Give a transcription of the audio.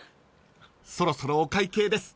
［そろそろお会計です］